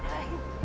oh hi akhirnya